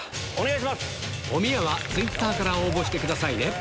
おみやはツイッターから応募してくださいね